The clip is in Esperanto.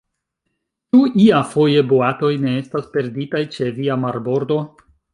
Ĉu iafoje boatoj ne estas perditaj ĉe via marbordo?